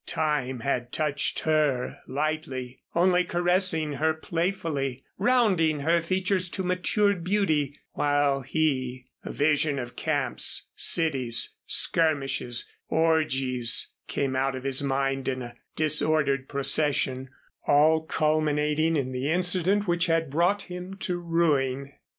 Time had touched her lightly, only caressing her playfully, rounding her features to matured beauty, while he A vision of camps, cities, skirmishes, orgies, came out of his mind in a disordered procession, all culminating in the incident which had brought him to ruin.